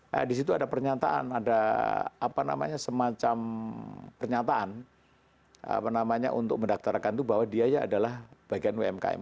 nah disitu ada pernyataan ada semacam pernyataan untuk mendaftarkan itu bahwa dia ya adalah bagian umkm